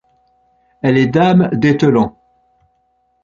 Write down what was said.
Elle est dame d'Etelan.